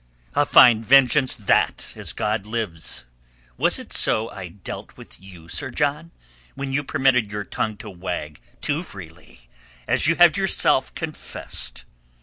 A fine vengeance that, as God lives! Was it so I dealt with you, Sir John, when you permitted your tongue to wag too freely, as you have yourself confessed?